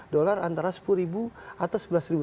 dolar antara sepuluh ribu atau sebelas ribu